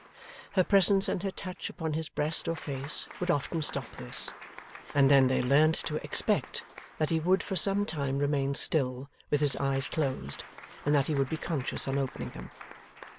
Her presence and her touch upon his breast or face would often stop this, and then they learned to expect that he would for some time remain still, with his eyes closed, and that he would be conscious on opening them.